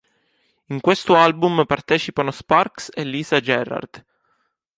In questo album partecipano Sparks e Lisa Gerrard.